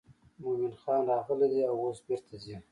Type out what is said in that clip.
مومن خان راغلی دی او اوس بیرته ځي.